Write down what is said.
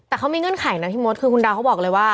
แต่เขามีเงื่อนไขนะพี่มดคือคุณดาวเขาบอกเลยว่า